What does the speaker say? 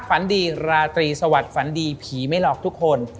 ฝันดีราตรีสวัสดิฝันดีผีไม่หลอกทุกคน